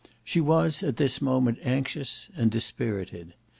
She was at this moment anxious and dispirited.